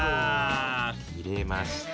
切れました。